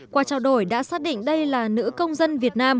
qua trao đổi đã xác định đây là nữ công dân việt nam